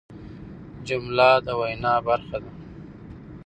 جمله د وینا برخه ده.